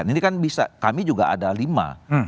ini kan bisa kami juga ada lima